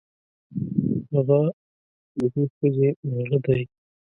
هغه د دې ښځې مېړه دی.